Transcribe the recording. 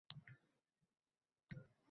Yuzi qaerda, bilib bo‘lmadi.